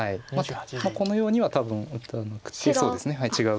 このようには多分打たなくて。